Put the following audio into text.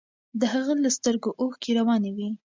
د هغه له سترګو اوښکې روانې وې.